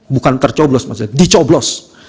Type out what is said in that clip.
bukan tercoblos maksudnya dicoblos